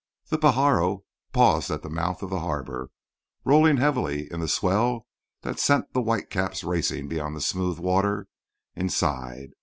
The Pajaro paused at the mouth of the harbour, rolling heavily in the swell that sent the whitecaps racing beyond the smooth water inside.